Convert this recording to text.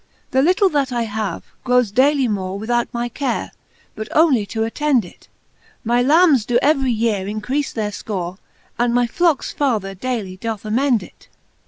The little, that I have, growes dayly more Without my care, but only to. attend it ; My lambes doe every yeare increafe their fcore, And my flockes father daily doth amend it.